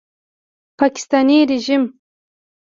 پاکستاني ریژیم